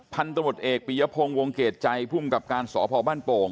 พันธมตเอกปียพงศ์วงเกรดใจภูมิกับการสพบ้านโป่ง